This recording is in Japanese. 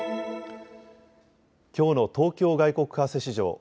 きょうの東京外国為替市場。